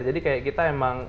jadi kayak kita emang